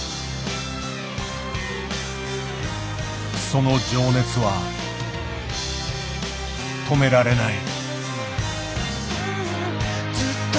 その情熱は止められない。